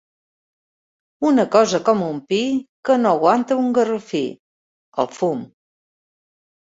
Una cosa com un pi, que no aguanta un garrofí: el fum.